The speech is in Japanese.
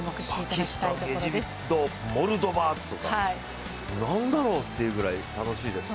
パキスタン、エジプト、モルドバっていう、何だろうっていうぐらい楽しいです。